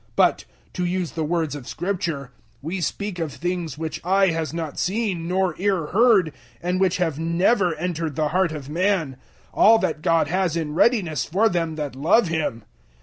002:009 But to use the words of Scripture we speak of things which eye has not seen nor ear heard, and which have never entered the heart of man: all that God has in readiness for them that love Him.